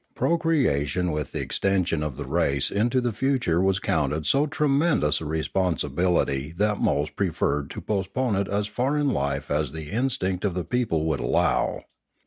Procreation with the extension of the race into the future was counted so tremendous a responsibility that most preferred to postpone it as far in life as the instinct of the people would allow.